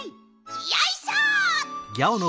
よいしょ！